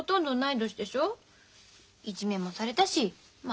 いじめもされたしまあ